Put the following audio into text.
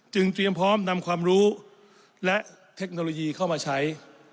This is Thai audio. เตรียมพร้อมนำความรู้และเทคโนโลยีเข้ามาใช้